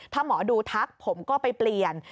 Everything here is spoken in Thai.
ถ้าหมอดูทักผมก็ไปเปลี่ยน